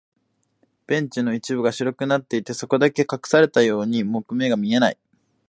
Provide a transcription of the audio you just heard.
ベンチの一部が白くなっていて、そこだけ隠されたように木目が見えない。